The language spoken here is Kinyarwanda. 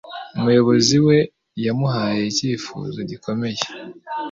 Umuyobozi we yamuhaye icyifuzo gikomeye